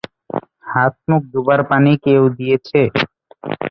হাত-মুখ ধোবার পানি কেউ দিয়েছে?